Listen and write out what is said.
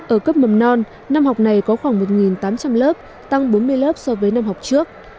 ở cấp mầm non năm học này có khoảng một tám trăm linh lớp tăng bốn mươi lớp so với năm học trước